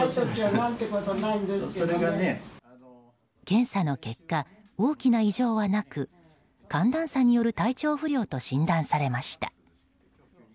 検査の結果、大きな異常はなく寒暖差による体調不良と診断されました。